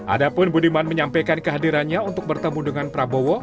adapun budiman menyampaikan kehadirannya untuk bertemu dengan prabowo